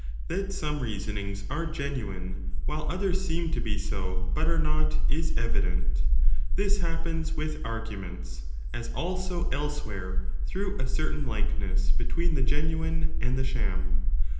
That some reasonings are genuine, while others seem to be so but are not, is evident. This happens with argu ments, as also elsewhere, through a certain likeness between 25 the genuine and the sham.